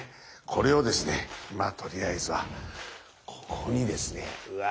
これをですねまあとりあえずはここにですねうわ